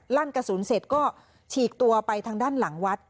ลั่นกระสุนเสร็จก็ฉีกตัวไปทางด้านหลังวัด